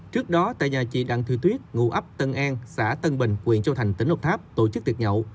trước đó tại nhà chị đặng thị tuyết ngụ ấp tân an xã tân bình huyện châu thành tỉnh độc tháp tổ chức tiệc nhậu